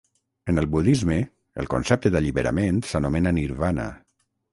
En el budisme el concepte d'alliberament s'anomena nirvana.